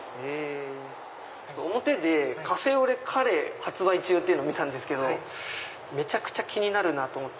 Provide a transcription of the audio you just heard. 表でカフェオレカレー発売中っていうのを見たんですけどめちゃくちゃ気になるなぁと思って。